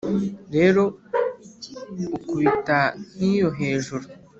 Rero ukubita nk’iyo hejuru